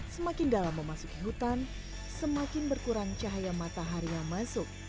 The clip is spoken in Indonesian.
semakin dalam memasuki hutan semakin berkurang cahaya matahari yang masuk